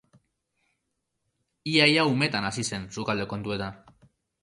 Ia ia umetan hasi zen sukalde kontuetan.